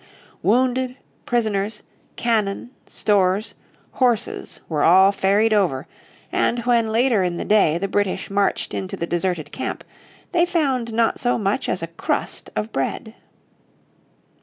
Wounded, prisoners, cannon, stores, horses, were all ferried over, and when later in the day the British marched into the deserted camp they found not so much as a crust of bread.